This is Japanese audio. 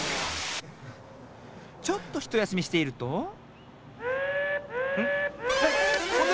ちょっとひとやすみしているとん？